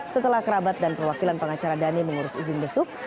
setelah kerabat dan perwakilan pengacara dhani mengurus izin besuk